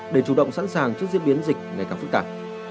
để chủ động sẵn sàng trước diễn biến dịch ngày càng phức tạp